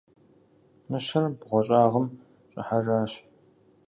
Мыщэр бгъуэщӏагъым щӏыхьэжащ.